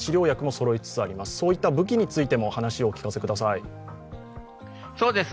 そういった武器についても話を聞かせてください。